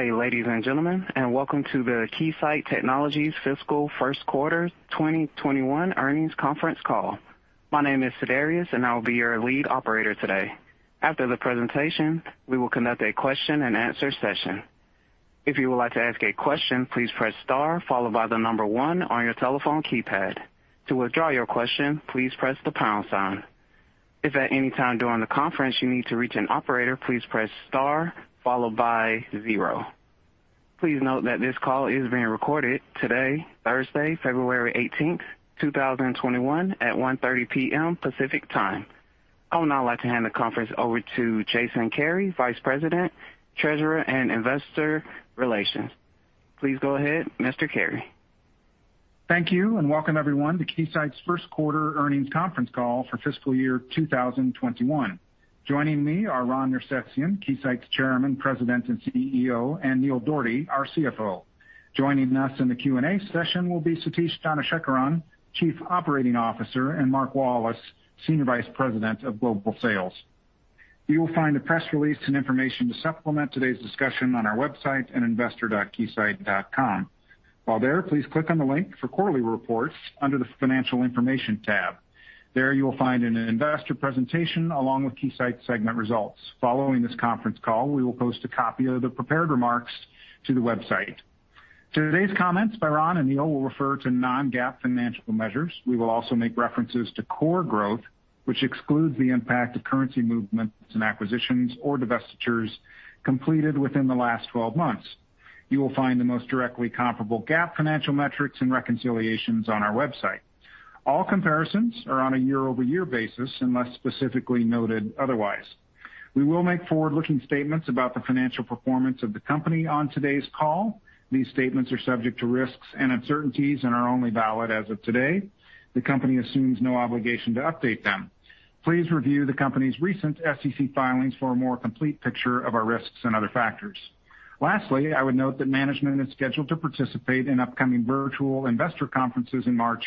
Hey, ladies and gentlemen, welcome to the Keysight Technologies Fiscal First Quarter 2021 Earnings Conference Call. My name is Sedarius, and I will be your lead operator today. After the presentation, we will conduct a question and answer session. If you would like to ask a question, please press star followed by the number one on your telephone keypad. To withdraw your question, please press the pound sign. If at any time during the conference you need to reach an operator, please press star followed by zero. Please note that this call is being recorded today, Thursday, February 18th, 2021, at 1:30 P.M. Pacific Time. I would now like to hand the conference over to Jason Kary, Vice President, Treasurer and Investor Relations. Please go ahead, Mr. Kary. Thank you. Welcome everyone to Keysight's first quarter earnings conference call for fiscal year 2021. Joining me are Ron Nersesian, Keysight's Chairman, President, and CEO, and Neil Dougherty, our CFO. Joining us in the Q&A session will be Satish Dhanasekaran, Chief Operating Officer, and Mark Wallace, Senior Vice President of Global Sales. You will find a press release and information to supplement today's discussion on our website at investor.keysight.com. While there, please click on the link for quarterly reports under the Financial Information tab. There you will find an investor presentation along with Keysight segment results. Following this conference call, we will post a copy of the prepared remarks to the website. To today's comments by Ron and Neil, we'll refer to non-GAAP financial measures. We will also make references to core growth, which excludes the impact of currency movements and acquisitions or divestitures completed within the last 12 months. You will find the most directly comparable GAAP financial metrics and reconciliations on our website. All comparisons are on a year-over-year basis unless specifically noted otherwise. We will make forward-looking statements about the financial performance of the company on today's call. These statements are subject to risks and uncertainties and are only valid as of today. The company assumes no obligation to update them. Please review the company's recent SEC filings for a more complete picture of our risks and other factors. Lastly, I would note that management is scheduled to participate in upcoming virtual investor conferences in March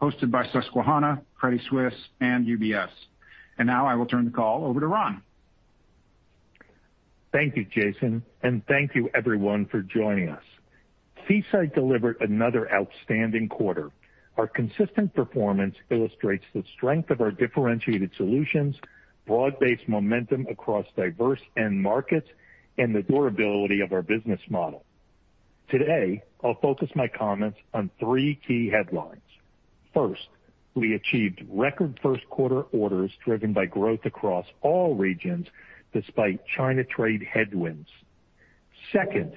hosted by Susquehanna, Credit Suisse, and UBS. Now I will turn the call over to Ron. Thank you, Jason, and thank you everyone for joining us. Keysight delivered another outstanding quarter. Our consistent performance illustrates the strength of our differentiated solutions, broad-based momentum across diverse end markets, and the durability of our business model. Today, I'll focus my comments on three key headlines. First, we achieved record first quarter orders driven by growth across all regions despite China trade headwinds. Second,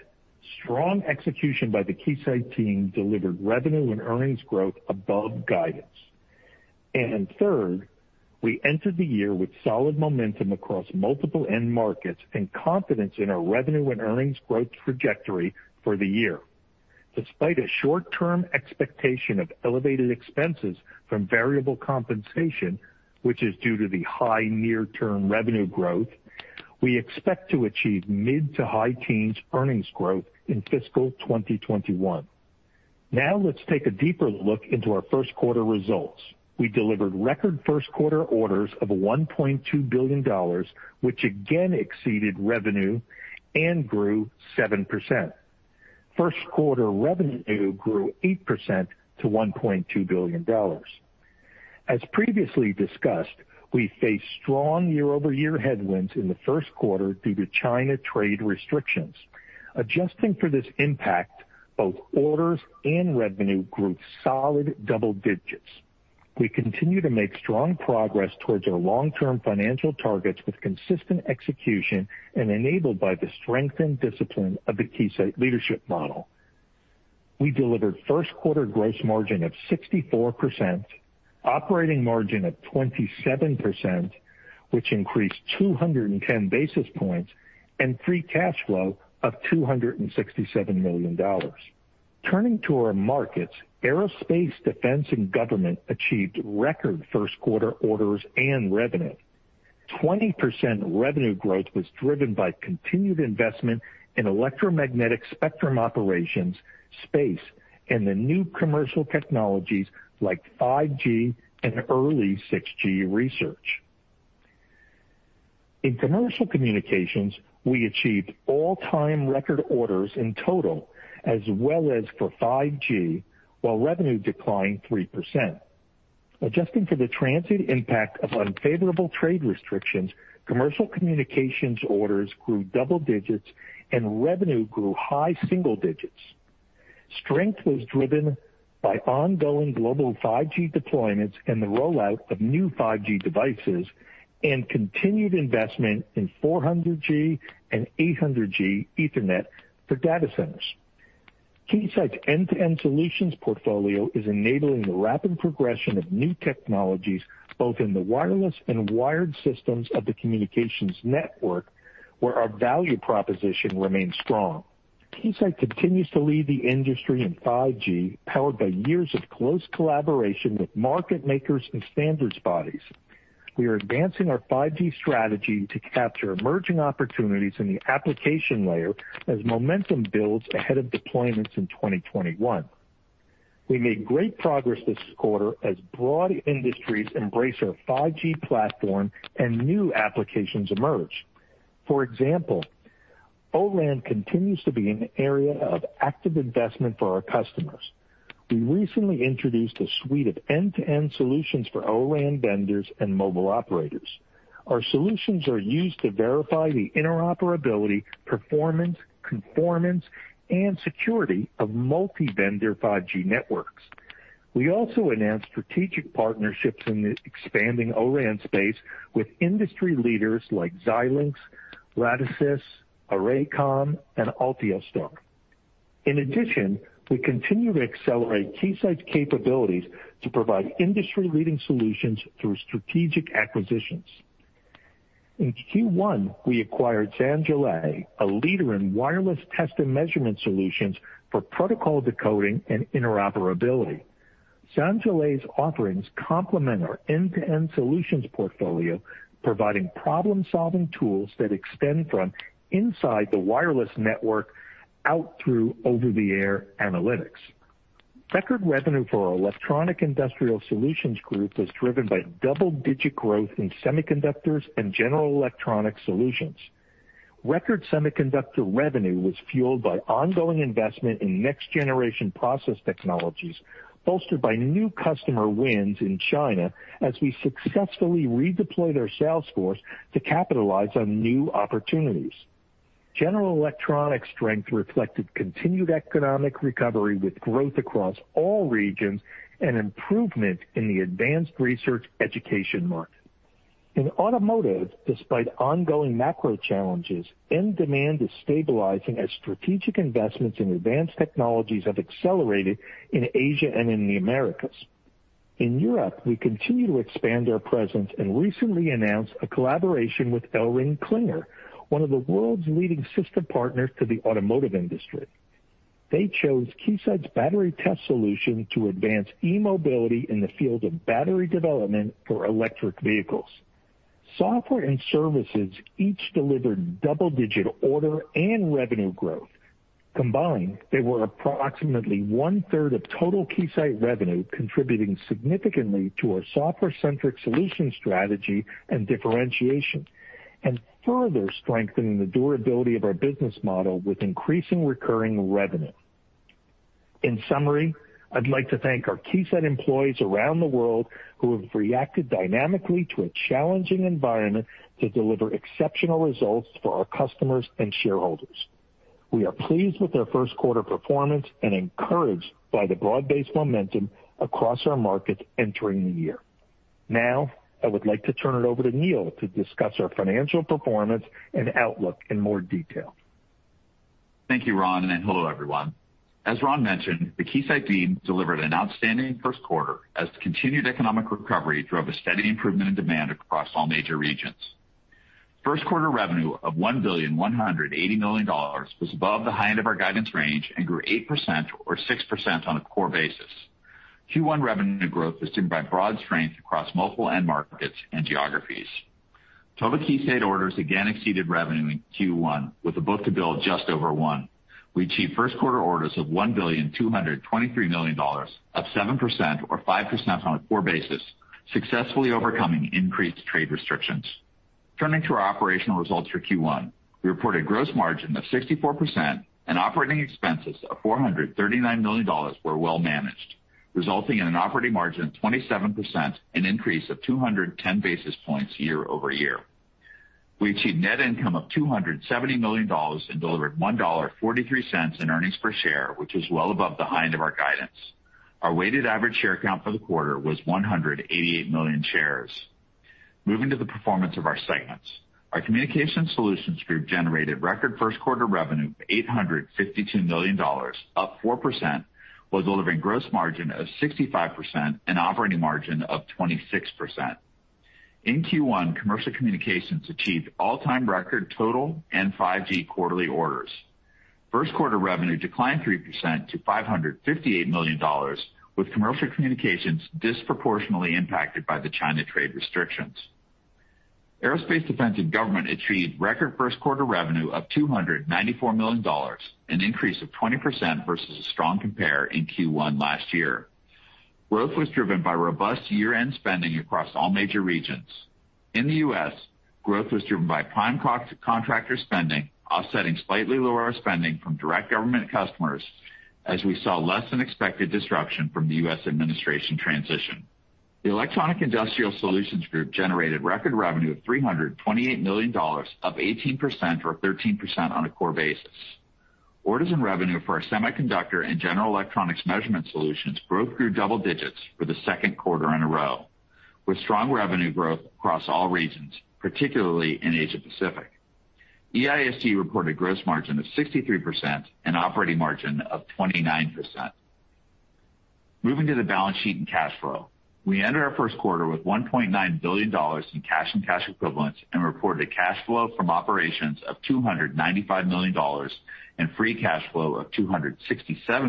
strong execution by the Keysight team delivered revenue and earnings growth above guidance. Third, we entered the year with solid momentum across multiple end markets and confidence in our revenue and earnings growth trajectory for the year. Despite a short-term expectation of elevated expenses from variable compensation, which is due to the high near-term revenue growth, we expect to achieve mid to high teens earnings growth in fiscal 2021. Now let's take a deeper look into our first quarter results. We delivered record first quarter orders of $1.2 billion, which again exceeded revenue and grew 7%. First quarter revenue grew 8% to $1.2 billion. As previously discussed, we faced strong year-over-year headwinds in the first quarter due to China trade restrictions. Adjusting for this impact, both orders and revenue grew solid double digits. We continue to make strong progress towards our long-term financial targets with consistent execution and enabled by the strength and discipline of the Keysight Leadership Model. We delivered first quarter gross margin of 64%, operating margin of 27%, which increased 210 basis points, and free cash flow of $267 million. Turning to our markets, aerospace, defense, and government achieved record first quarter orders and revenue. 20% revenue growth was driven by continued investment in electromagnetic spectrum operations, space, and the new commercial technologies like 5G and early 6G research. In commercial communications, we achieved all-time record orders in total, as well as for 5G, while revenue declined 3%. Adjusting for the transient impact of unfavorable trade restrictions, commercial communications orders grew double digits and revenue grew high single digits. Strength was driven by ongoing global 5G deployments and the rollout of new 5G devices and continued investment in 400 Gb and 800 Gb ethernet for data centers. Keysight's end-to-end solutions portfolio is enabling the rapid progression of new technologies, both in the wireless and wired systems of the communications network, where our value proposition remains strong. Keysight continues to lead the industry in 5G, powered by years of close collaboration with market makers and standards bodies. We are advancing our 5G strategy to capture emerging opportunities in the application layer as momentum builds ahead of deployments in 2021. We made great progress this quarter as broad industries embrace our 5G platform and new applications emerge. For example, O-RAN continues to be an area of active investment for our customers. We recently introduced a suite of end-to-end solutions for O-RAN vendors and mobile operators. Our solutions are used to verify the interoperability, performance, conformance, and security of multi-vendor 5G networks. We also announced strategic partnerships in the expanding O-RAN space with industry leaders like Xilinx, Radisys, ArrayComm, and Altiostar. We continue to accelerate Keysight's capabilities to provide industry-leading solutions through strategic acquisitions. In Q1, we acquired Sanjole, a leader in wireless test and measurement solutions for protocol decoding and interoperability. Sanjole's offerings complement our end-to-end solutions portfolio, providing problem-solving tools that extend from inside the wireless network out through over-the-air analytics. Record revenue for our Electronic Industrial Solutions Group was driven by double-digit growth in semiconductors and general electronic solutions. Record semiconductor revenue was fueled by ongoing investment in next-generation process technologies, bolstered by new customer wins in China as we successfully redeployed our sales force to capitalize on new opportunities. General electronic strength reflected continued economic recovery, with growth across all regions and improvement in the advanced research education market. In automotive, despite ongoing macro challenges, end demand is stabilizing as strategic investments in advanced technologies have accelerated in Asia and in the Americas. In Europe, we continue to expand our presence and recently announced a collaboration with ElringKlinger, one of the world's leading system partners to the automotive industry. They chose Keysight's battery test solution to advance e-mobility in the field of battery development for electric vehicles. Software and services each delivered double-digit order and revenue growth. Combined, they were approximately one-third of total Keysight revenue, contributing significantly to our software-centric solution strategy and differentiation, and further strengthening the durability of our business model with increasing recurring revenue. In summary, I'd like to thank our Keysight employees around the world who have reacted dynamically to a challenging environment to deliver exceptional results for our customers and shareholders. We are pleased with their first quarter performance and encouraged by the broad-based momentum across our markets entering the year. Now, I would like to turn it over to Neil to discuss our financial performance and outlook in more detail. Thank you, Ron. Hello, everyone. As Ron mentioned, the Keysight team delivered an outstanding first quarter as the continued economic recovery drove a steady improvement in demand across all major regions. First quarter revenue of $1.18 billion was above the high end of our guidance range and grew 8% or 6% on a core basis. Q1 revenue growth was driven by broad strength across multiple end markets and geographies. Total Keysight orders again exceeded revenue in Q1, with a book-to-bill of just over 1x. We achieved first quarter orders of $1.223 billion, up 7% or 5% on a core basis, successfully overcoming increased trade restrictions. Turning to our operational results for Q1, we reported gross margin of 64% and operating expenses of $439 million were well managed, resulting in an operating margin of 27%, an increase of 210 basis points year-over-year. We achieved net income of $270 million and delivered $1.43 in earnings per share, which was well above the high end of our guidance. Our weighted average share count for the quarter was 188 million shares. Moving to the performance of our segments. Our Communication Solutions Group generated record first quarter revenue of $852 million, up 4%, while delivering gross margin of 65% and operating margin of 26%. In Q1, commercial communications achieved all-time record total and 5G quarterly orders. First quarter revenue declined 3% to $558 million, with commercial communications disproportionately impacted by the China trade restrictions. Aerospace, defense, and government achieved record first quarter revenue of $294 million, an increase of 20% versus a strong compare in Q1 last year. Growth was driven by robust year-end spending across all major regions. In the U.S., growth was driven by prime contractor spending, offsetting slightly lower spending from direct government customers as we saw less than expected disruption from the U.S. administration transition. The Electronic Industrial Solutions Group generated record revenue of $328 million, up 18% or 13% on a core basis. Orders and revenue for our semiconductor and general electronics measurement solutions both grew double digits for the second quarter in a row, with strong revenue growth across all regions, particularly in Asia Pacific. EISG reported gross margin of 63% and operating margin of 29%. Moving to the balance sheet and cash flow. We entered our first quarter with $1.9 billion in cash and cash equivalents and reported cash flow from operations of $295 million and free cash flow of $267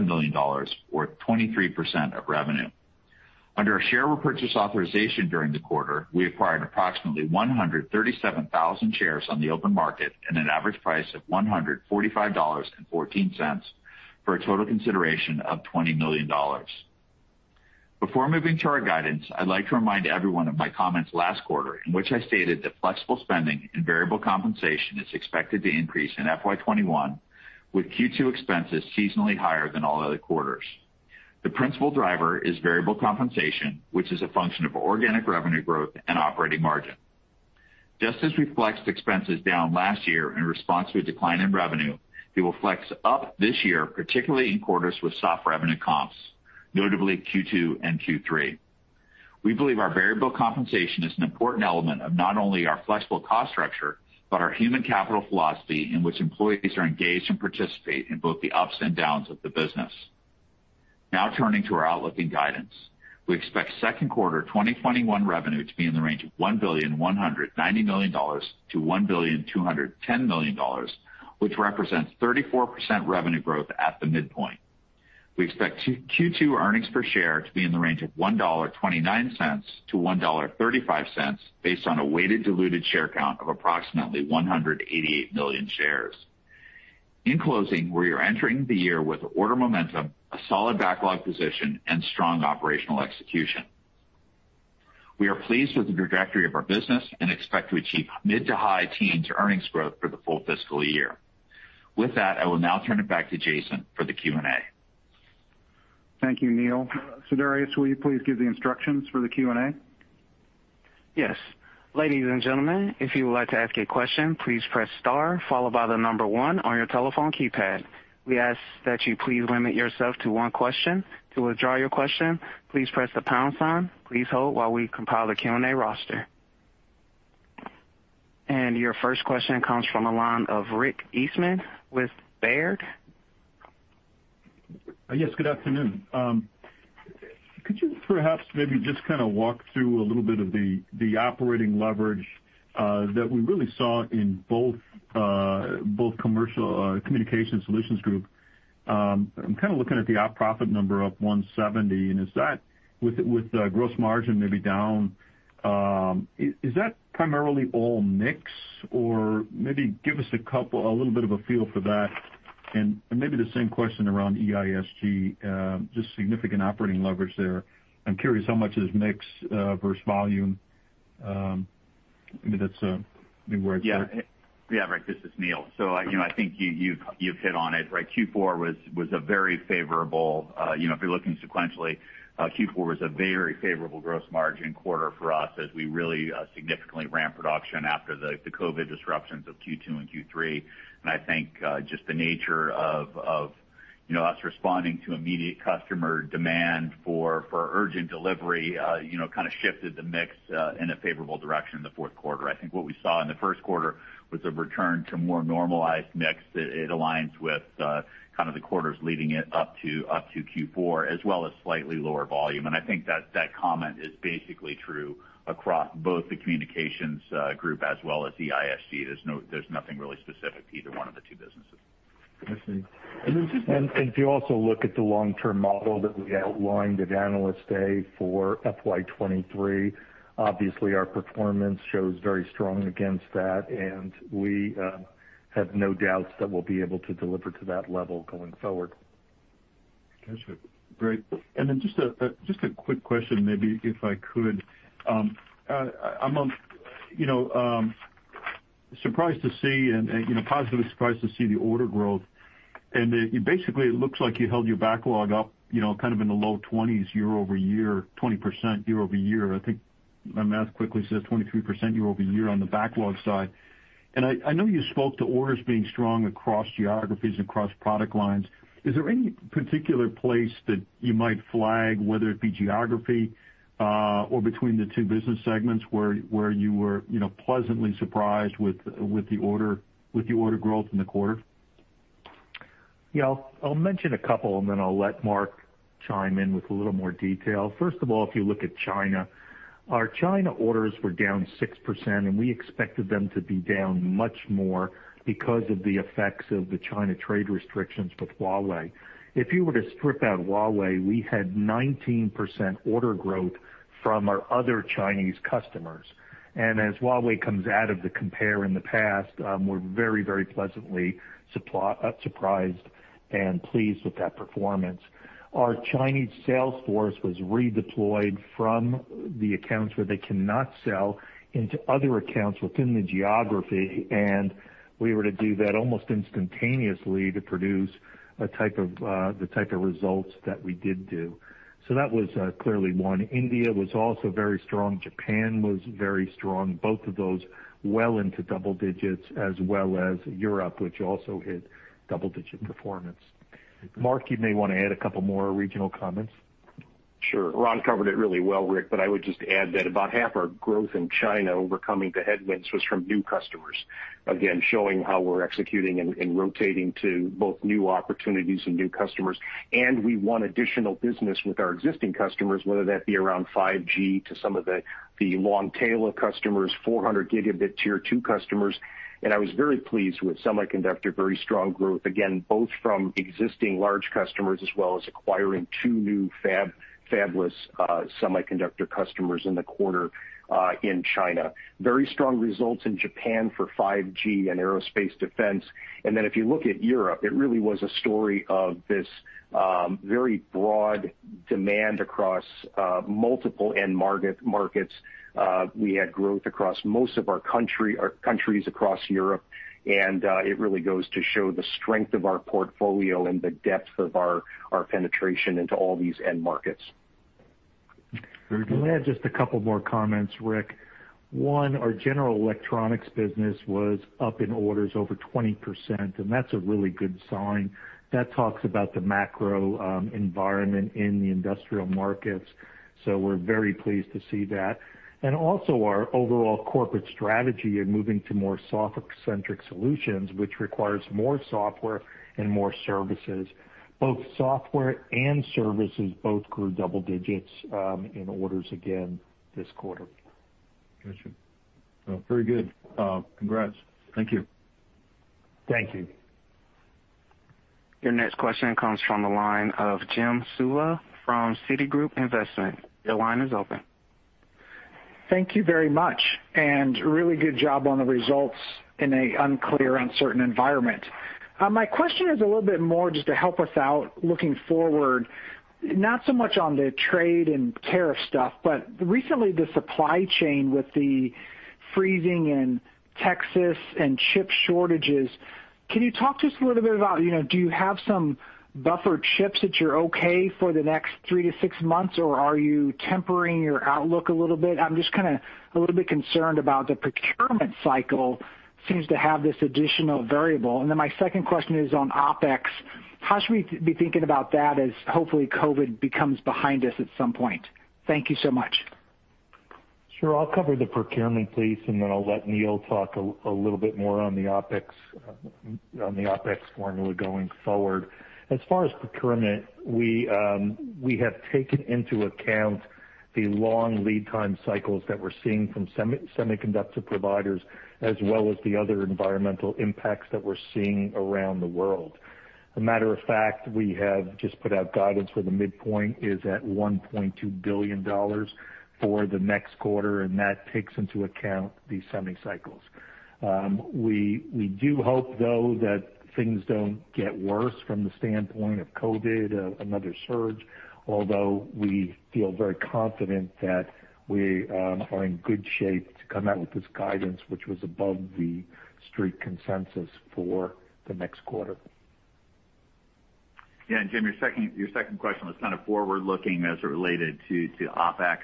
million, or 23% of revenue. Under a share repurchase authorization during the quarter, we acquired approximately 137,000 shares on the open market at an average price of $145.14, for a total consideration of $20 million. Before moving to our guidance, I'd like to remind everyone of my comments last quarter, in which I stated that flexible spending and variable compensation is expected to increase in FY 2021, with Q2 expenses seasonally higher than all other quarters. The principal driver is variable compensation, which is a function of organic revenue growth and operating margin. Just as we flexed expenses down last year in response to a decline in revenue, we will flex up this year, particularly in quarters with soft revenue comps, notably Q2 and Q3. We believe our variable compensation is an important element of not only our flexible cost structure, but our human capital philosophy in which employees are engaged and participate in both the ups and downs of the business. Now turning to our outlook and guidance. We expect second quarter 2021 revenue to be in the range of $1.19 billion-$1.21 billion, which represents 34% revenue growth at the midpoint. We expect Q2 earnings per share to be in the range of $1.29-$1.35, based on a weighted diluted share count of approximately 188 million shares. In closing, we are entering the year with order momentum, a solid backlog position, and strong operational execution. We are pleased with the trajectory of our business and expect to achieve mid to high teens earnings growth for the full fiscal year. With that, I will now turn it back to Jason for the Q&A. Thank you, Neil. Sedarius, will you please give the instructions for the Q&A? Your first question comes from the line of Rick Eastman with Baird. Yes. Good afternoon. Could you perhaps maybe just kind of walk through a little bit of the operating leverage that we really saw in both Communication Solutions Group? I'm kind of looking at the op profit number up 170%, with the gross margin maybe down, is that primarily all mix? Maybe give us a little bit of a feel for that, maybe the same question around EISG, just significant operating leverage there. I'm curious how much is mix versus volume. Rick, this is Neil. I think you've hit on it, right? Q4 was a very favorable, if you're looking sequentially, Q4 was a very favorable gross margin quarter for us as we really significantly ramped production after the COVID disruptions of Q2 and Q3. I think just the nature of us responding to immediate customer demand for urgent delivery kind of shifted the mix in a favorable direction in the fourth quarter. I think what we saw in the first quarter was a return to more normalized mix that it aligns with kind of the quarters leading it up to Q4, as well as slightly lower volume. I think that comment is basically true across both the Communication Solutions Group as well as the EISG. There's nothing really specific to either one of the two businesses. I see. If you also look at the long-term model that we outlined at Analyst Day for FY 2023, obviously our performance shows very strong against that, and we have no doubts that we'll be able to deliver to that level going forward. Got you. Great. Just a quick question, maybe if I could. I'm positively surprised to see the order growth, and basically, it looks like you held your backlog up kind of in the low 20s year-over-year, 20% year-over-year. I think my math quickly says 23% year-over-year on the backlog side. I know you spoke to orders being strong across geographies and across product lines. Is there any particular place that you might flag, whether it be geography, or between the two business segments, where you were pleasantly surprised with the order growth in the quarter? Yeah. I'll mention a couple, and then I'll let Mark chime in with a little more detail. First of all, if you look at China, our China orders were down 6%, and we expected them to be down much more because of the effects of the China trade restrictions with Huawei. If you were to strip out Huawei, we had 19% order growth from our other Chinese customers. As Huawei comes out of the compare in the past, we're very pleasantly surprised and pleased with that performance. Our Chinese sales force was redeployed from the accounts where they cannot sell into other accounts within the geography, and we were to do that almost instantaneously to produce the type of results that we did do. That was clearly one. India was also very strong. Japan was very strong. Both of those well into double digits as well as Europe, which also hit double-digit performance. Mark, you may want to add a couple more regional comments. Sure. Ron covered it really well, Rick, I would just add that about half our growth in China overcoming the headwinds was from new customers. Again, showing how we're executing and rotating to both new opportunities and new customers. We won additional business with our existing customers, whether that be around 5G to some of the long tail of customers, 400 Gb Tier 2 customers. I was very pleased with semiconductor, very strong growth, again, both from existing large customers as well as acquiring two new fabless semiconductor customers in the quarter in China. Very strong results in Japan for 5G and aerospace defense. If you look at Europe, it really was a story of this very broad demand across multiple end markets. We had growth across most of our countries across Europe, and it really goes to show the strength of our portfolio and the depth of our penetration into all these end markets. I'll add just a couple more comments, Rick. One, our general electronics business was up in orders over 20%. That's a really good sign. That talks about the macro environment in the industrial markets. We're very pleased to see that. Also our overall corporate strategy in moving to more software-centric solutions, which requires more software and more services. Both software and services both grew double digits in orders again this quarter. Got you. Very good. Congrats. Thank you. Thank you. Your next question comes from the line of Jim Suva from Citigroup Investment. Your line is open. Thank you very much. Really good job on the results in an unclear, uncertain environment. My question is a little bit more just to help us out looking forward, not so much on the trade and tariff stuff, but recently the supply chain with the freezing in Texas and chip shortages. Can you talk to us a little bit about do you have some buffer chips that you're okay for the next three to six months, or are you tempering your outlook a little bit? I'm just a little bit concerned about the procurement cycle seems to have this additional variable. My second question is on OpEx. How should we be thinking about that as hopefully COVID becomes behind us at some point? Thank you so much. Sure. I'll cover the procurement piece, and then I'll let Neil talk a little bit more on the OpEx formula going forward. As far as procurement, we have taken into account the long lead time cycles that we're seeing from semiconductor providers as well as the other environmental impacts that we're seeing around the world. A matter of fact, we have just put out guidance where the midpoint is at $1.2 billion for the next quarter, and that takes into account the semi cycles. We do hope, though, that things don't get worse from the standpoint of COVID, another surge, although we feel very confident that we are in good shape to come out with this guidance, which was above the street consensus for the next quarter. Yeah. Jim, your second question was kind of forward-looking as it related to OpEx.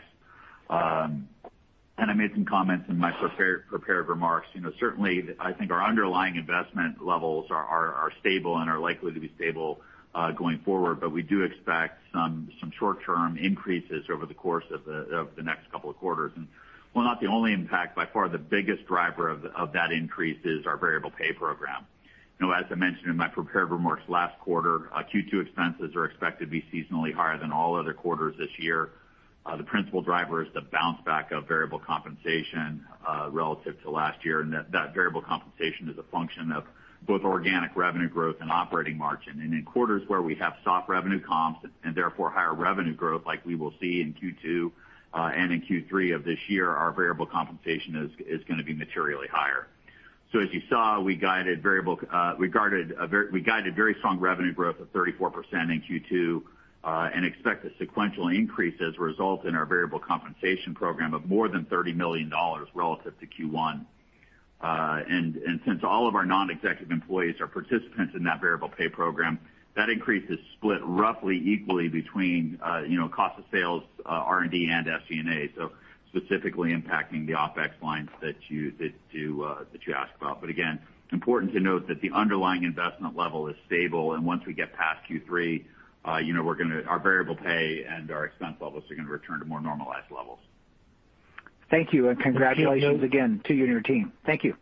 I made some comments in my prepared remarks. Certainly, I think our underlying investment levels are stable and are likely to be stable going forward, but we do expect some short-term increases over the course of the next couple of quarters. While not the only impact, by far the biggest driver of that increase is our variable pay program. As I mentioned in my prepared remarks last quarter, Q2 expenses are expected to be seasonally higher than all other quarters this year. The principal driver is the bounce back of variable compensation relative to last year, and that variable compensation is a function of both organic revenue growth and operating margin. In quarters where we have soft revenue comps, and therefore higher revenue growth like we will see in Q2 and in Q3 of this year, our variable compensation is going to be materially higher. As you saw, we guided very strong revenue growth of 34% in Q2, and expect a sequential increase as a result in our variable compensation program of more than $30 million relative to Q1. Since all of our non-executive employees are participants in that variable pay program, that increase is split roughly equally between cost of sales, R&D, and SG&A, so specifically impacting the OpEx lines that you asked about. Again, it's important to note that the underlying investment level is stable, and once we get past Q3, our variable pay and our expense levels are going to return to more normalized levels. Thank you, and congratulations again to you and your team. Thank you.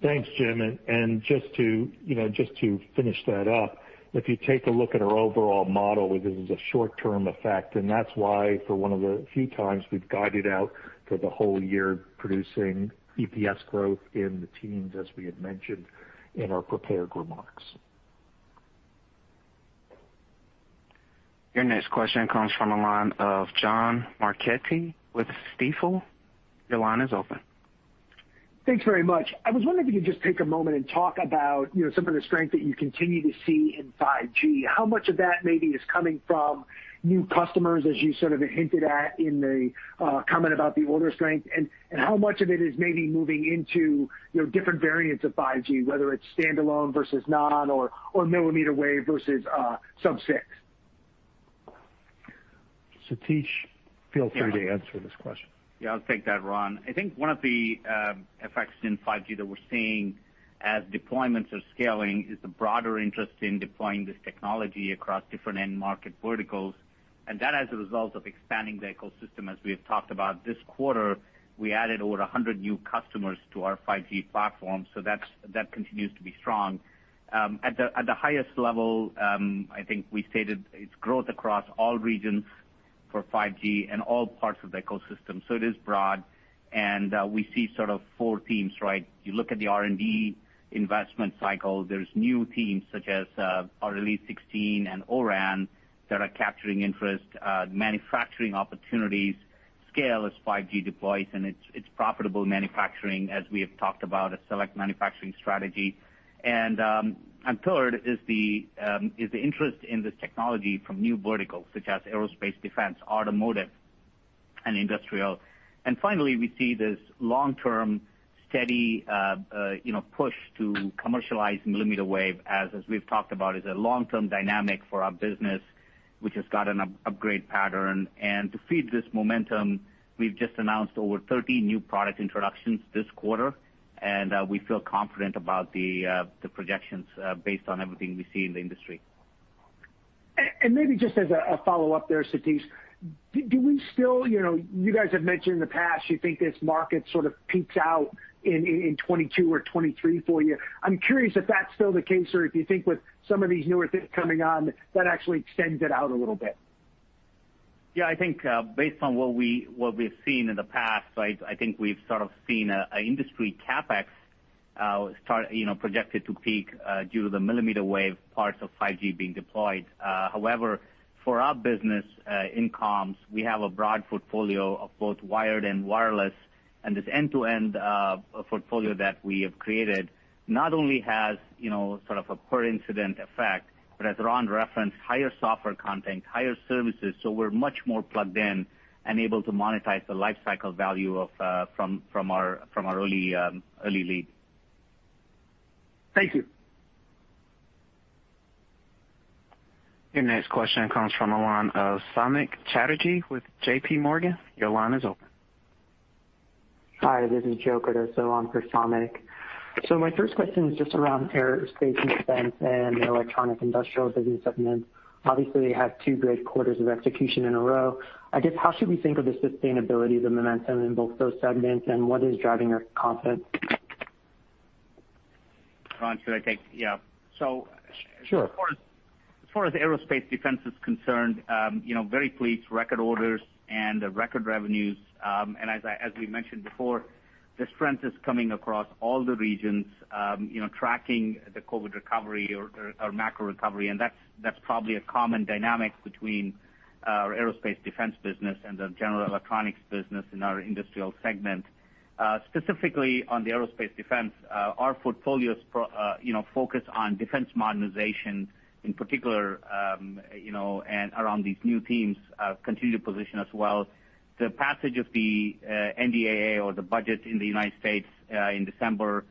Thanks, Jim. Just to finish that up, if you take a look at our overall model, this is a short-term effect, and that's why for one of the few times we've guided out for the whole year producing EPS growth in the teens as we had mentioned in our prepared remarks. Your next question comes from the line of John Marchetti with Stifel. Your line is open. Thanks very much. I was wondering if you could just take a moment and talk about some of the strength that you continue to see in 5G. How much of that maybe is coming from new customers, as you sort of hinted at in the comment about the order strength, and how much of it is maybe moving into different variants of 5G, whether it's standalone versus non or millimeter wave versus sub-6? Satish, feel free to answer this question. Yeah, I'll take that, Ron. I think one of the effects in 5G that we're seeing as deployments are scaling is the broader interest in deploying this technology across different end market verticals. That as a result of expanding the ecosystem, as we have talked about this quarter, we added over 100 new customers to our 5G platform. That continues to be strong. At the highest level, I think we stated it's growth across all regions for 5G and all parts of the ecosystem. It is broad and we see sort of four themes, right? You look at the R&D investment cycle, there's new themes such as Release 16 and O-RAN that are capturing interest, manufacturing opportunities, scale as 5G deploys, and it's profitable manufacturing, as we have talked about, a select manufacturing strategy. Third is the interest in this technology from new verticals such as aerospace, defense, automotive, and industrial. Finally, we see this long-term steady push to commercialize millimeter wave as we've talked about, is a long-term dynamic for our business, which has got an upgrade pattern. To feed this momentum, we've just announced over 30 new product introductions this quarter, and we feel confident about the projections based on everything we see in the industry. Maybe just as a follow-up there, Satish, you guys have mentioned in the past, you think this market sort of peaks out in 2022 or 2023 for you. I'm curious if that's still the case or if you think with some of these newer things coming on, that actually extends it out a little bit. Yeah, I think based on what we've seen in the past, I think we've sort of seen an industry CapEx projected to peak due to the millimeter wave parts of 5G being deployed. However, for our business in comms, we have a broad portfolio of both wired and wireless. This end-to-end portfolio that we have created not only has sort of a per incident effect, but as Ron referenced, higher software content, higher services. We're much more plugged in and able to monetize the life cycle value from our early lead. Thank you. Your next question comes from the line of Samik Chatterjee with JPMorgan. Your line is open. Hi, this is Joe Cardoso on for Samik. My first question is just around aerospace and defense and the electronic industrial business segments. Obviously, you had two great quarters of execution in a row. I guess, how should we think of the sustainability of the momentum in both those segments and what is driving your confidence? Ron, should I take-- yeah. Sure. As far as aerospace defense is concerned, very pleased. Record orders and record revenues. As we mentioned before, the strength is coming across all the regions, tracking the COVID recovery or macro recovery, that's probably a common dynamic between our aerospace defense business and the general electronics business in our industrial segment. Specifically on the aerospace defense, our portfolios focus on defense modernization in particular, and around these new themes continue to position as well. The passage of the NDAA or the budget in the United States in December,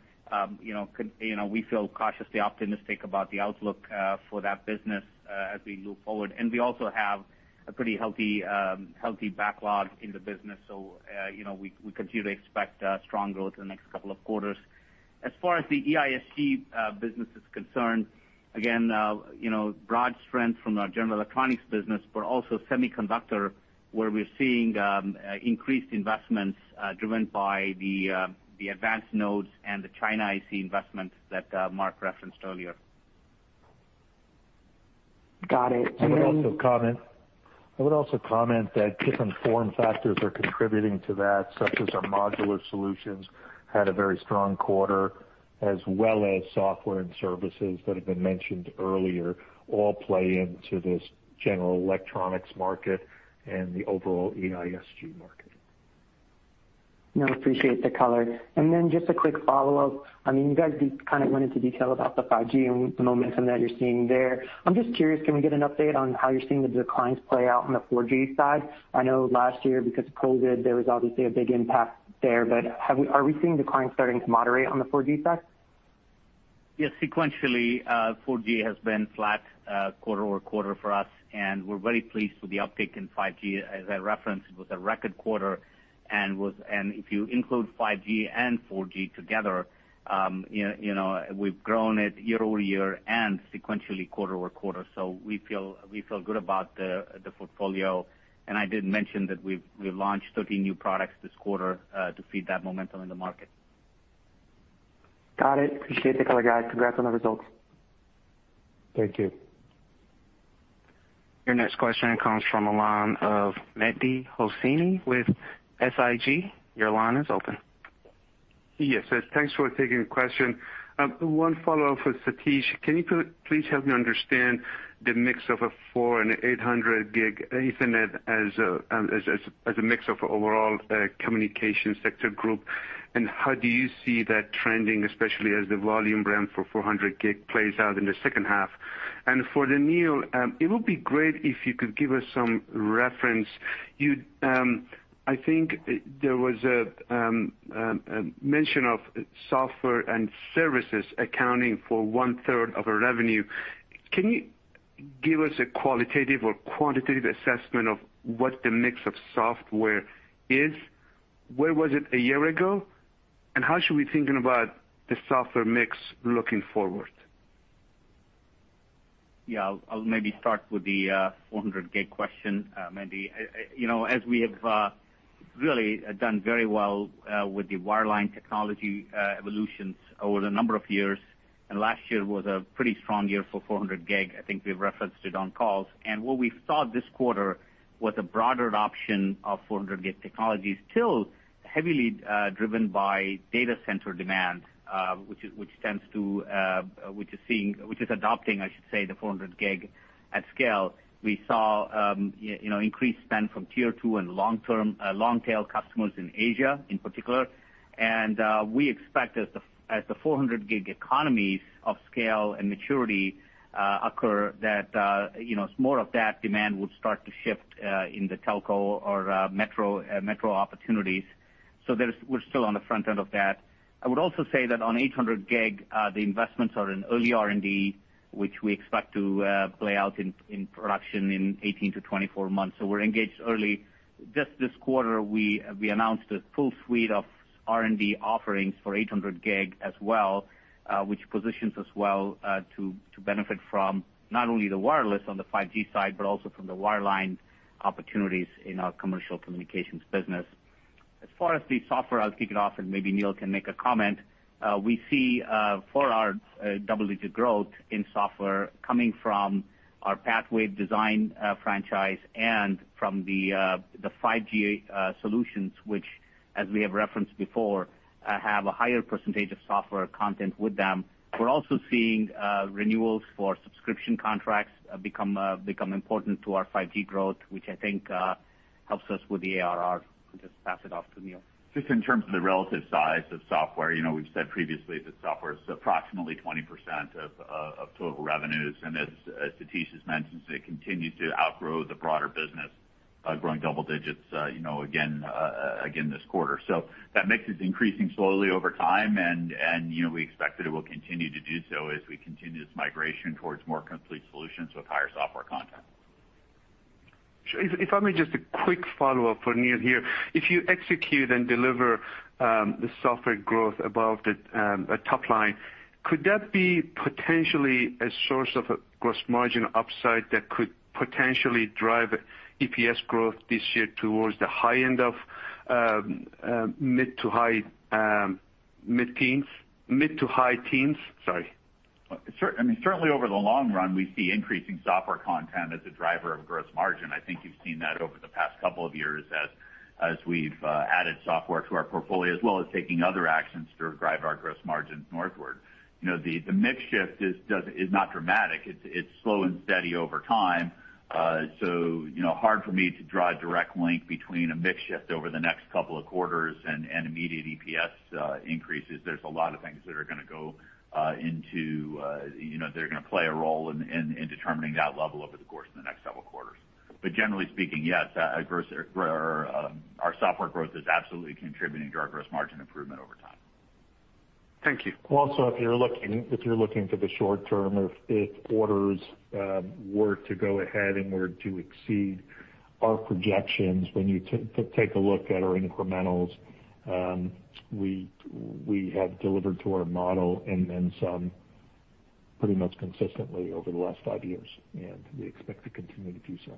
we feel cautiously optimistic about the outlook for that business as we move forward. We also have a pretty healthy backlog in the business. We continue to expect strong growth in the next couple of quarters. As far as the EISG business is concerned, again broad strength from our general electronics business, but also semiconductor, where we're seeing increased investments driven by the advanced nodes and the China IC investments that Mark referenced earlier. Got it. I would also comment that different form factors are contributing to that, such as our modular solutions had a very strong quarter, as well as software and services that have been mentioned earlier, all play into this general electronics market and the overall EISG market. No, appreciate the color. Just a quick follow-up. You guys kind of went into detail about the 5G and the momentum that you're seeing there. I'm just curious, can we get an update on how you're seeing the declines play out on the 4G side? I know last year because of COVID, there was obviously a big impact there, but are we seeing declines starting to moderate on the 4G side? Yes. Sequentially, 4G has been flat quarter-over-quarter for us, and we're very pleased with the uptick in 5G. As I referenced, it was a record quarter, and if you include 5G and 4G together, we've grown it year-over-year and sequentially quarter-over-quarter. We feel good about the portfolio. I did mention that we've launched 30 new products this quarter to feed that momentum in the market. Got it. Appreciate the color, guys. Congrats on the results. Thank you. Your next question comes from the line of Mehdi Hosseini with SIG. Your line is open. Yes. Thanks for taking the question. One follow-up with Satish. Can you please help me understand the mix of 400 Gb and 800 Gb ethernet as a mix of overall Communication Solutions Group, and how do you see that trending, especially as the volume ramp for 400 Gb plays out in the second half? For Neil, it would be great if you could give us some reference. I think there was a mention of software and services accounting for 1/3 of revenue. Can you give us a qualitative or quantitative assessment of what the mix of software is? Where was it a year ago? How should we be thinking about the software mix looking forward? Yeah, I'll maybe start with the 400 Gb question, Mehdi. We have really done very well with the wireline technology evolutions over the number of years, and last year was a pretty strong year for 400 Gb. I think we've referenced it on calls. What we saw this quarter was a broader adoption of 400 Gb technologies, still heavily driven by data center demand which is adopting, I should say, the 400 Gb at scale. We saw increased spend from Tier 2 and long-tail customers in Asia, in particular. We expect, as the 400 Gb economies of scale and maturity occur, that more of that demand would start to shift in the telco or metro opportunities. We're still on the front end of that. I would also say that on 800 Gb, the investments are in early R&D, which we expect to play out in production in 18-24 months. We're engaged early. Just this quarter, we announced a full suite of R&D offerings for 800 Gb as well, which positions us well to benefit from not only the wireless on the 5G side, but also from the wireline opportunities in our commercial communications business. As far as the software, I'll kick it off and maybe Neil can make a comment. We see full year double-digit growth in software coming from our PathWave Design franchise and from the 5G solutions, which, as we have referenced before, have a higher percentage of software content with them. We're also seeing renewals for subscription contracts become important to our 5G growth, which I think helps us with the ARR. I'll just pass it off to Neil. Just in terms of the relative size of software, we've said previously that software is approximately 20% of total revenues. As Satish has mentioned, it continues to outgrow the broader business, growing double digits again this quarter. That mix is increasing slowly over time, and we expect that it will continue to do so as we continue this migration towards more complete solutions with higher software content. Sure. If I may, just a quick follow-up for Neil here. If you execute and deliver the software growth above the top line, could that be potentially a source of a gross margin upside that could potentially drive EPS growth this year towards the high end of mid to high teens? Sorry. I mean, certainly over the long run, we see increasing software content as a driver of gross margin. I think you've seen that over the past couple of years as we've added software to our portfolio, as well as taking other actions to drive our gross margins northward. The mix shift is not dramatic. It's slow and steady over time. Hard for me to draw a direct link between a mix shift over the next couple of quarters and immediate EPS increases. There's a lot of things that are going to play a role in determining that level over the course of the next several quarters. Generally speaking, yes, our software growth is absolutely contributing to our gross margin improvement over time. Thank you. Well, if you're looking for the short term, if orders were to go ahead and were to exceed our projections, when you take a look at our incrementals, we have delivered to our model and then some pretty much consistently over the last five years, and we expect to continue to do so.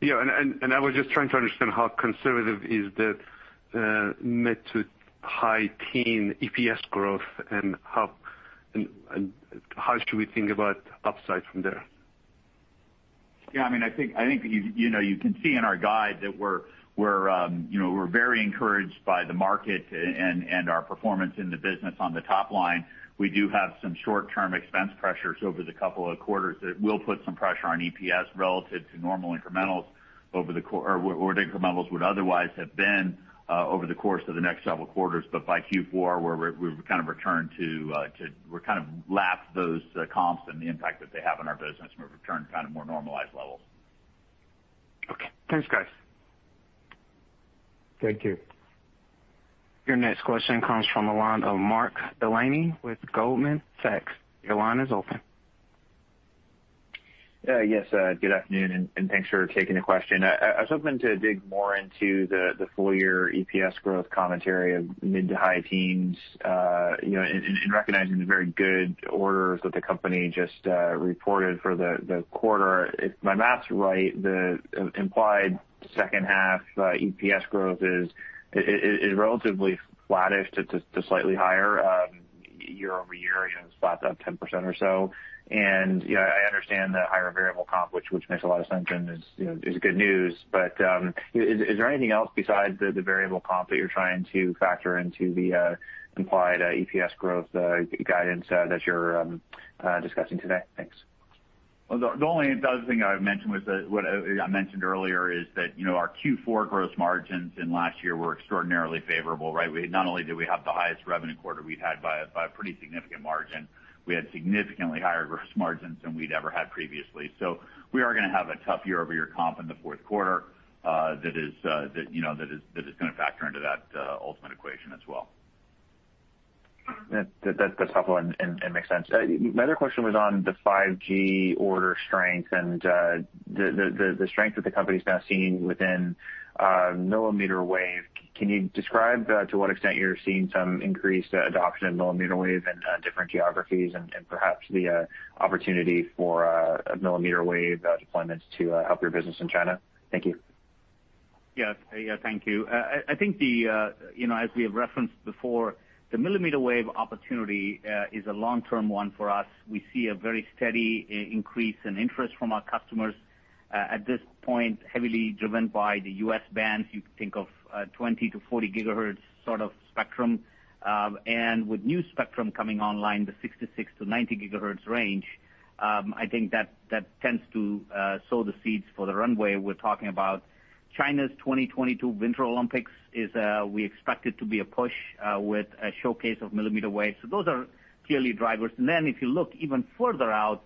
Yeah. I was just trying to understand how conservative is the mid to high teen EPS growth and how should we think about upside from there? Yeah, I think you can see in our guide that we're very encouraged by the market and our performance in the business on the top line. We do have some short-term expense pressures over the couple of quarters that will put some pressure on EPS relative to what incrementals would otherwise have been over the course of the next several quarters. By Q4, we've kind of lapped those comps and the impact that they have on our business, and we've returned to more normalized levels. Okay. Thanks, guys. Thank you. Your next question comes from the line of Mark Delaney with Goldman Sachs. Your line is open. Yes. Good afternoon, and thanks for taking the question. I was hoping to dig more into the full year EPS growth commentary of mid to high teens, and recognizing the very good orders that the company just reported for the quarter. If my math's right, the implied second half EPS growth is relatively flattish to slightly higher year-over-year, it's about up 10% or so. I understand the higher variable comp, which makes a lot of sense and is good news. Is there anything else besides the variable comp that you're trying to factor into the implied EPS growth guidance that you're discussing today? Thanks. Well, the only other thing I mentioned earlier is that our Q4 gross margins in last year were extraordinarily favorable, right? Not only did we have the highest revenue quarter we've had by a pretty significant margin, we had significantly higher gross margins than we'd ever had previously. We are going to have a tough year-over-year comp in the fourth quarter that is going to factor into that ultimate equation as well. That's helpful and makes sense. My other question was on the 5G order strength and the strength that the company's now seeing within millimeter wave. Can you describe to what extent you're seeing some increased adoption of millimeter wave in different geographies and perhaps the opportunity for millimeter wave deployments to help your business in China? Thank you. Yes. Thank you. I think as we have referenced before, the millimeter wave opportunity is a long-term one for us. We see a very steady increase in interest from our customers. At this point, heavily driven by the U.S. bands. You can think of 20 GHz-40 GHz sort of spectrum. With new spectrum coming online, the 66 GHz-90 GHz range, I think that tends to sow the seeds for the runway we're talking about. China's 2022 Winter Olympics, we expect it to be a push with a showcase of millimeter wave. Those are clearly drivers. If you look even further out,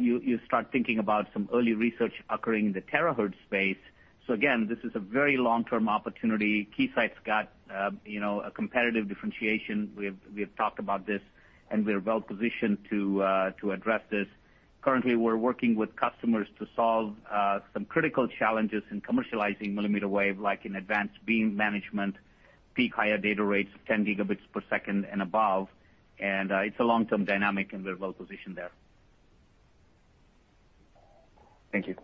you start thinking about some early research occurring in the terahertz space. Again, this is a very long-term opportunity. Keysight's got a competitive differentiation. We've talked about this, and we're well-positioned to address this. Currently, we're working with customers to solve some critical challenges in commercializing millimeter wave, like in advanced beam management, peak higher data rates 10 Gbps and above. It's a long-term dynamic, and we're well-positioned there. Thank you.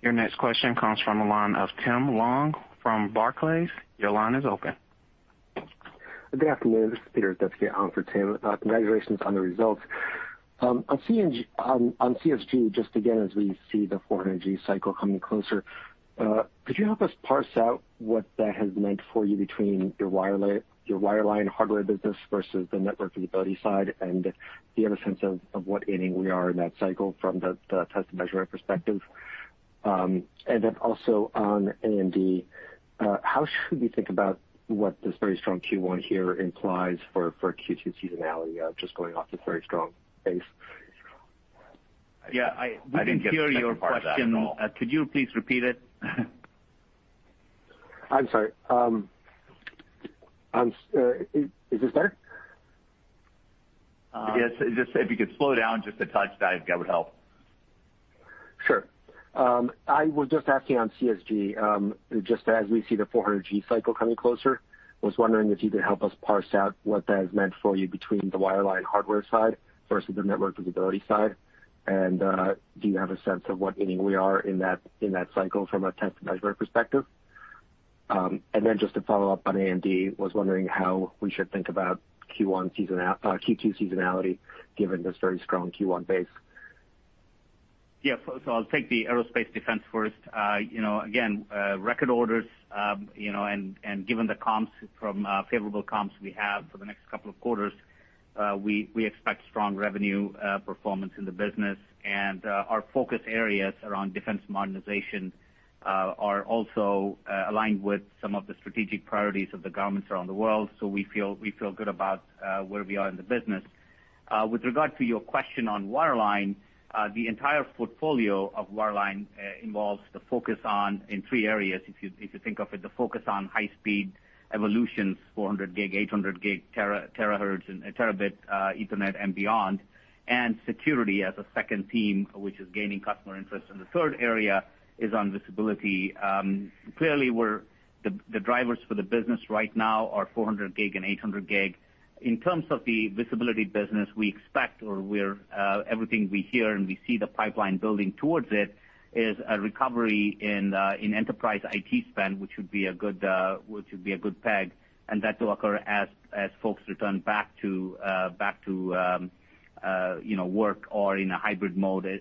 Your next question comes from the line of Tim Long from Barclays. Your line is open. Good afternoon, this is Peter Zdebski on for Tim. Congratulations on the results. On CSG, just again, as we see the 400 Gb cycle coming closer, could you help us parse out what that has meant for you between your wireline hardware business versus the network visibility side? Do you have a sense of what inning we are in that cycle from the test and measurement perspective? Then also on A&D, how should we think about what this very strong Q1 here implies for Q2 seasonality, just going off this very strong base? Yeah, I didn't hear your question. I didn't get the second part of that at all. Could you please repeat it? I'm sorry. Is this better? Yes. If you could slow down just a touch, that would help. Sure. I was just asking on CSG, just as we see the 400 Gb cycle coming closer, I was wondering if you could help us parse out what that has meant for you between the wireline hardware side versus the network visibility side. Do you have a sense of what inning we are in that cycle from a test and measurement perspective? Just to follow up on A&D, was wondering how we should think about Q2 seasonality given this very strong Q1 base. I'll take the aerospace defense first. Again, record orders, given the comps from favorable comps we have for the next couple of quarters, we expect strong revenue performance in the business. Our focus areas around defense modernization are also aligned with some of the strategic priorities of the governments around the world. We feel good about where we are in the business. With regard to your question on wireline, the entire portfolio of wireline involves the focus on, in three areas, if you think of it, the focus on high-speed evolutions, 400 Gb, 800 Gb, terahertz, and terabit ethernet and beyond, security as a second theme, which is gaining customer interest. The third area is on visibility. Clearly, the drivers for the business right now are 400 Gb and 800 Gb. In terms of the visibility business, we expect, or everything we hear, and we see the pipeline building towards it, is a recovery in enterprise IT spend, which would be a good peg, and that will occur as folks return back to work or in a hybrid mode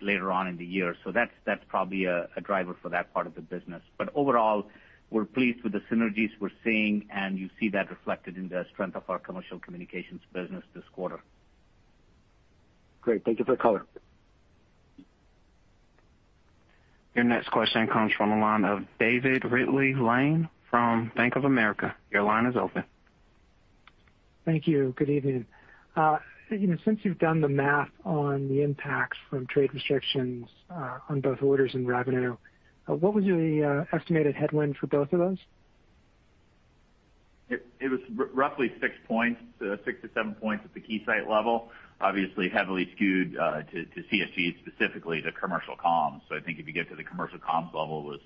later on in the year. That's probably a driver for that part of the business. Overall, we're pleased with the synergies we're seeing, and you see that reflected in the strength of our commercial communications business this quarter. Great. Thank you for the color. Your next question comes from the line of David Ridley-Lane from Bank of America. Your line is open. Thank you. Good evening. Since you've done the math on the impacts from trade restrictions on both orders and revenue, what was the estimated headwind for both of those? It was roughly 6 points, 6 points-7 points at the Keysight level, obviously heavily skewed to CSG, specifically to commercial comms. I think if you get to the commercial comms level,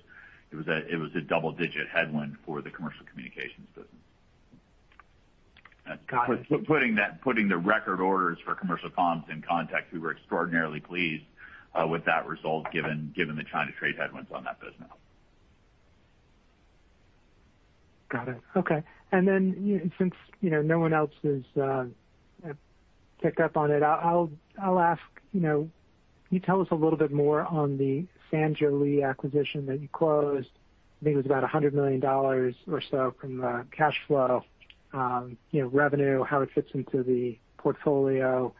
it was a double-digit headwind for the commercial communications business. Got it. Putting the record orders for commercial comms in context, we were extraordinarily pleased with that result given the China trade headwinds on that business. Got it. Okay. Since no one else has picked up on it, I'll ask, can you tell us a little bit more on the Sanjole acquisition that you closed? I think it was about $100 million or so from the cash flow, revenue, how it fits into the portfolio.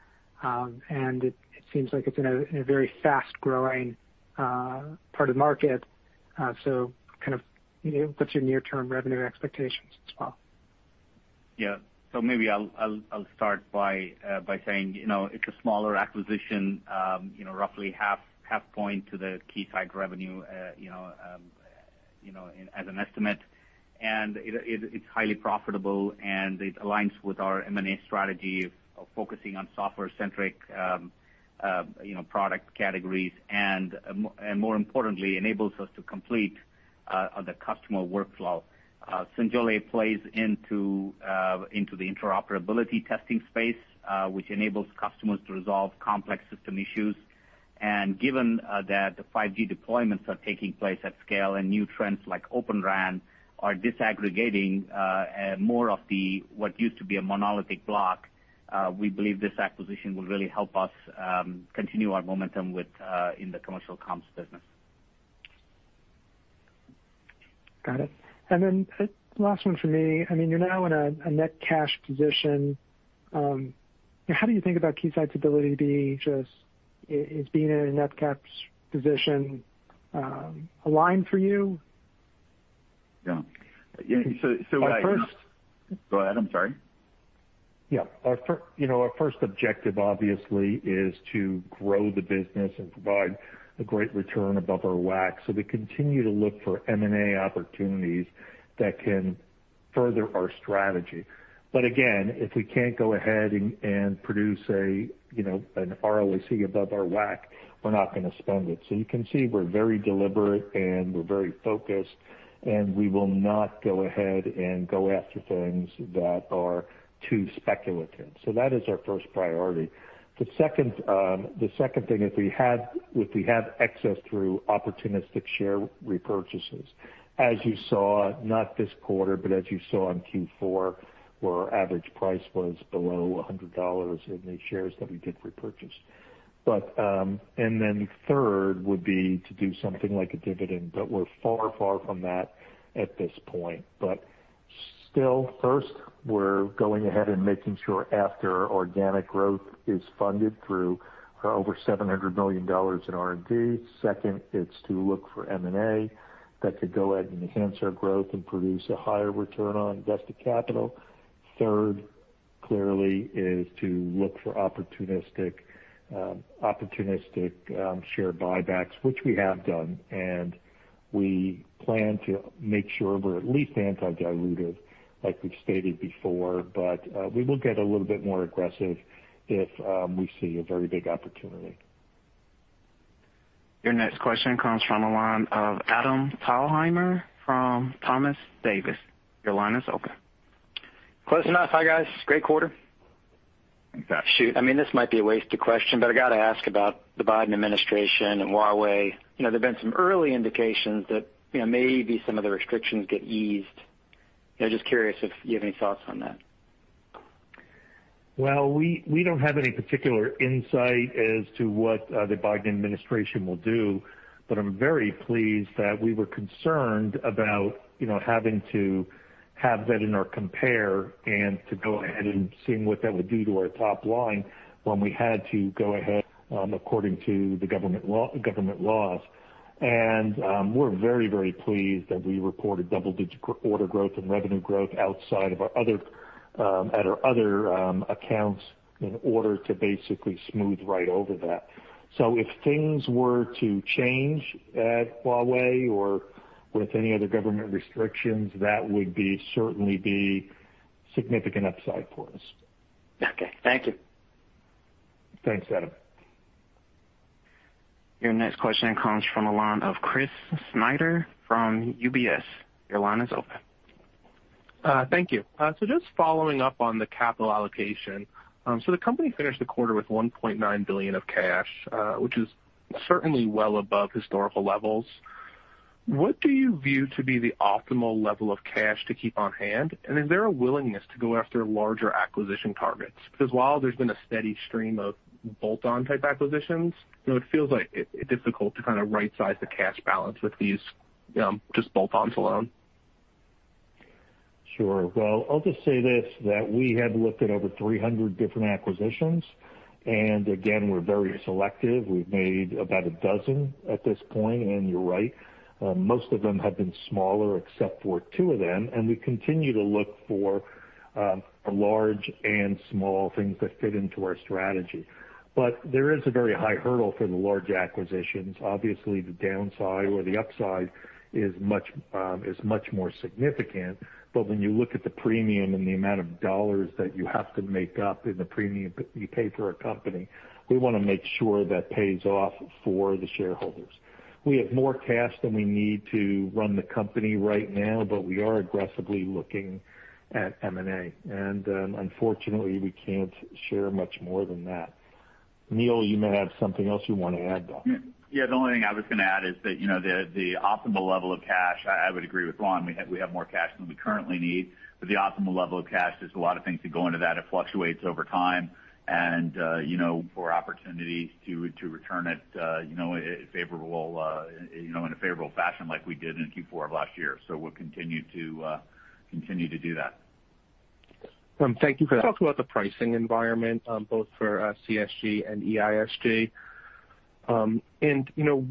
It seems like it's in a very fast-growing part of the market. What's your near-term revenue expectations as well? Yeah. Maybe I'll start by saying, it's a smaller acquisition, roughly half point to the Keysight revenue as an estimate. It's highly profitable, and it aligns with our M&A strategy of focusing on software-centric product categories, and more importantly, enables us to complete the customer workflow. Sanjole plays into the interoperability testing space, which enables customers to resolve complex system issues. Given that 5G deployments are taking place at scale and new trends like Open RAN are disaggregating more of what used to be a monolithic block, we believe this acquisition will really help us continue our momentum in the commercial comms business. Got it. Last one from me. You're now in a net cash position. How do you think about Keysight's ability to be is being in a net cash position aligned for you? Yeah. Our first- Go ahead. I'm sorry. Yeah. Our first objective, obviously, is to grow the business and provide a great return above our WACC. We continue to look for M&A opportunities that can further our strategy. Again, if we can't go ahead and produce an ROC above our WACC, we're not going to spend it. You can see we're very deliberate, and we're very focused, and we will not go ahead and go after things that are too speculative. That is our first priority. The second thing is we have access through opportunistic share repurchases. As you saw, not this quarter, but as you saw in Q4, where our average price was below $100 in the shares that we did repurchase. Third would be to do something like a dividend, but we're far from that at this point. Still, first, we're going ahead and making sure after organic growth is funded through over $700 million in R&D. Second, it's to look for M&A that could go ahead and enhance our growth and produce a higher return on invested capital. Third, clearly, is to look for opportunistic share buybacks, which we have done, and we plan to make sure we're at least anti-dilutive, like we've stated before, but we will get a little bit more aggressive if we see a very big opportunity. Your next question comes from the line of Adam Thalhimer from Thompson Davis. Your line is open. Close enough. Hi, guys. Great quarter. Thanks, Adam. Shoot, this might be a wasted question. I got to ask about the Biden administration and Huawei. There've been some early indications that maybe some of the restrictions get eased. Just curious if you have any thoughts on that. We don't have any particular insight as to what the Biden administration will do, but I'm very pleased that we were concerned about having to have that in our compare and to go ahead and seeing what that would do to our top line when we had to go ahead according to the government laws. We're very pleased that we reported double-digit order growth and revenue growth outside at our other accounts in order to basically smooth right over that. If things were to change at Huawei or with any other government restrictions, that would certainly be significant upside for us. Okay. Thank you. Thanks, Adam. Your next question comes from the line of Chris Snyder from UBS. Your line is open. Thank you. Just following up on the capital allocation. The company finished the quarter with $1.9 billion of cash, which is certainly well above historical levels. What do you view to be the optimal level of cash to keep on hand? Is there a willingness to go after larger acquisition targets? While there's been a steady stream of bolt-on type acquisitions, it feels like it's difficult to right-size the cash balance with these just bolt-ons alone. Sure. Well, I'll just say this, that we have looked at over 300 different acquisitions, and again, we're very selective. We've made about a dozen at this point, and you're right. Most of them have been smaller, except for two of them, and we continue to look for large and small things that fit into our strategy. There is a very high hurdle for the large acquisitions. Obviously, the downside or the upside is much more significant. When you look at the premium and the amount of dollars that you have to make up in the premium you pay for a company, we want to make sure that pays off for the shareholders. We have more cash than we need to run the company right now, we are aggressively looking at M&A, and unfortunately, we can't share much more than that. Neil, you may have something else you want to add, though. Yeah. The only thing I was going to add is that the optimal level of cash, I would agree with Ron, we have more cash than we currently need, but the optimal level of cash, there's a lot of things that go into that. It fluctuates over time and for opportunity to return it in a favorable fashion like we did in Q4 of last year. We'll continue to do that. Thank you for that. Can you talk about the pricing environment, both for CSG and EISG?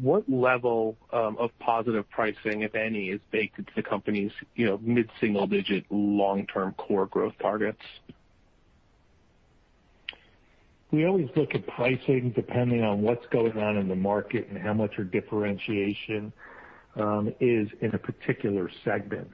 What level of positive pricing, if any, is baked into the company's mid-single-digit long-term core growth targets? We always look at pricing depending on what's going on in the market and how much our differentiation is in a particular segment.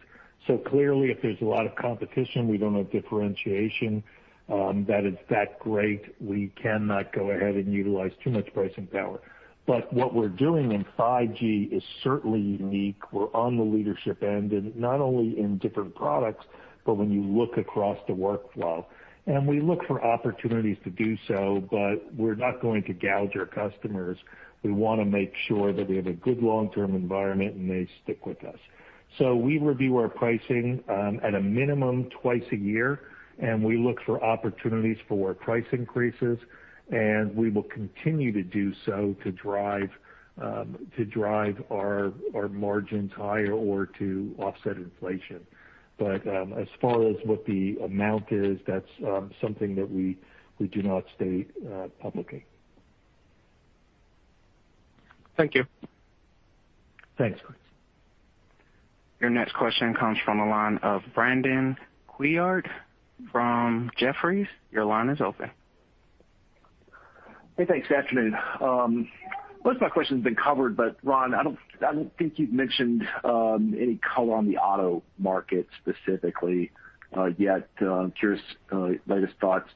Clearly, if there's a lot of competition, we don't have differentiation that is that great. We cannot go ahead and utilize too much pricing power. What we're doing in 5G is certainly unique. We're on the leadership end, and not only in different products, but when you look across the workflow. We look for opportunities to do so, but we're not going to gouge our customers. We want to make sure that we have a good long-term environment, and they stick with us. We review our pricing, at a minimum, twice a year, and we look for opportunities for price increases, and we will continue to do so to drive our margins higher or to offset inflation. As far as what the amount is, that's something that we do not state publicly. Thank you. Thanks. Your next question comes from the line of Brandon Couillard from Jefferies. Your line is open. Hey, thanks. Afternoon. Most of my question's been covered. Ron, I don't think you've mentioned any color on the auto market specifically yet. I'm curious, latest thoughts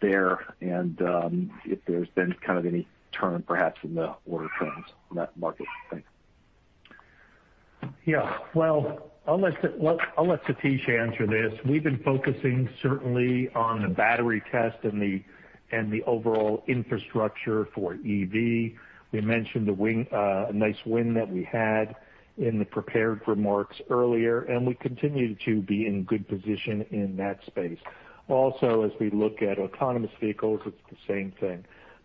there and if there's been kind of any turn, perhaps, in the order trends in that market. Thanks. Yeah. Well, I'll let Satish answer this. We've been focusing certainly on the battery test and the overall infrastructure for EV. We mentioned a nice win that we had in the prepared remarks earlier, and we continue to be in good position in that space. Also, as we look at autonomous vehicles, it's the same thing.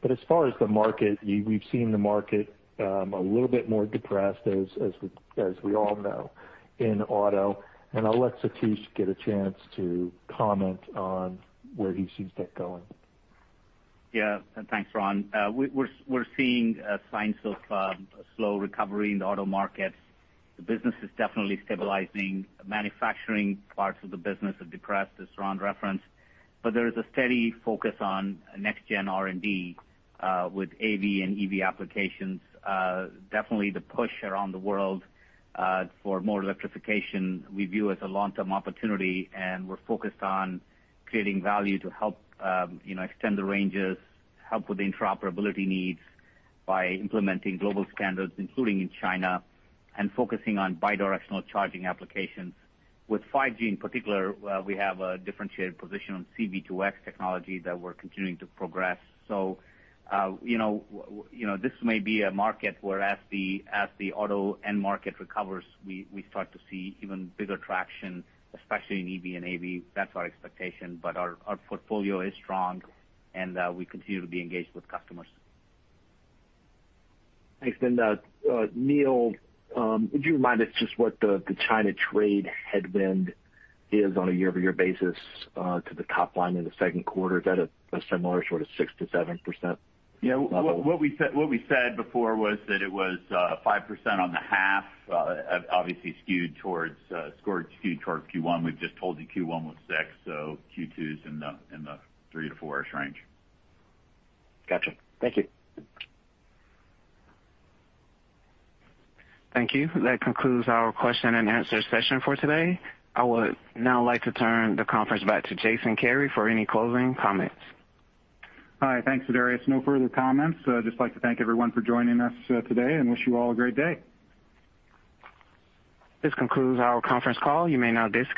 As far as the market, we've seen the market a little bit more depressed, as we all know, in auto. I'll let Satish get a chance to comment on where he sees that going. Yeah. Thanks, Ron. We're seeing signs of a slow recovery in the auto market. The business is definitely stabilizing. Manufacturing parts of the business are depressed, as Ron referenced. There is a steady focus on next-gen R&D with AV and EV applications. Definitely the push around the world for more electrification we view as a long-term opportunity, and we're focused on creating value to help extend the ranges, help with the interoperability needs by implementing global standards, including in China, and focusing on bidirectional charging applications. With 5G in particular, we have a differentiated position on C-V2X technology that we're continuing to progress. This may be a market where as the auto end market recovers, we start to see even bigger traction, especially in EV and AV. That's our expectation. Our portfolio is strong, and we continue to be engaged with customers. Thanks. Neil, would you remind us just what the China trade headwind is on a year-over-year basis to the top line in the second quarter? Is that a similar sort of 6%-7%? Yeah. What we said before was that it was 5% on the half, obviously skewed toward Q1. We've just told you Q1 was 6%, so Q2's in the 3% to 4%-ish range. Got you. Thank you. Thank you. That concludes our question-and-answer session for today. I would now like to turn the conference back to Jason Kary for any closing comments. Hi. Thanks, Sedarius. No further comments. Just like to thank everyone for joining us today and wish you all a great day. This concludes our conference call. You may now disconnect.